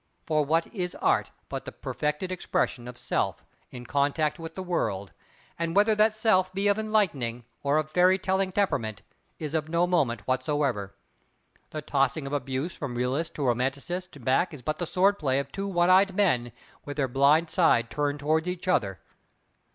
For what is Art but the perfected expression of self in contact with the world; and whether that self be of enlightening, or of fairy telling temperament, is of no moment whatsoever. The tossing of abuse from realist to romanticist and back is but the sword play of two one eyed men with their blind side turned toward each other.